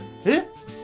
えっ？